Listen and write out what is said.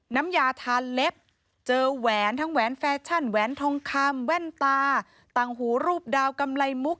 น้ำยาทานเล็บเจอแหวนทั้งแหวนแฟชั่นแหวนทองคำแว่นตาต่างหูรูปดาวกำไรมุก